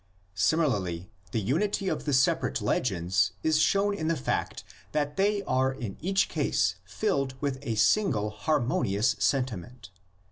Similarly, the unity of the separate legends is shown in the fact that they are in each case filled with a single harmonious sentiment.